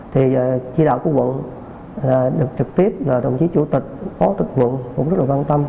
thì chỉ đạo của quận là được trực tiếp là đồng chí chủ tịch có tịch nguộn cũng rất là quan tâm